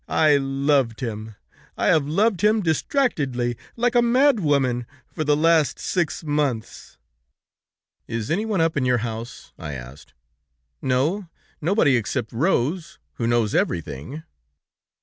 I loved him, I have loved him distractedly, like a mad woman, for the last six months.' 'Is anyone up in your house?' I asked. 'No, nobody except Rose, who knows everything.'